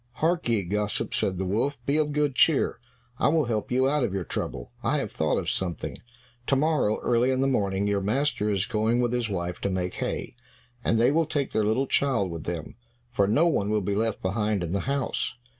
"Hark ye, gossip," said the wolf, "be of good cheer, I will help you out of your trouble. I have thought of something. To morrow, early in the morning, your master is going with his wife to make hay, and they will take their little child with them, for no one will be left behind in the house.